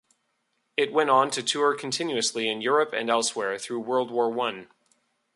It went on to tour continuously in Europe and elsewhere through World War One.